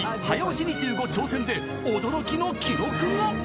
早押し２５挑戦で驚きの記録が⁉］